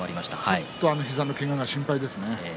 ちょっとその膝のけがで心配ですね。